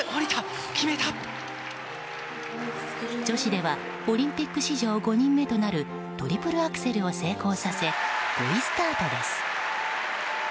女子ではオリンピック史上５人目となるトリプルアクセルを成功させ５位スタートです。